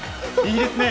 いいですね。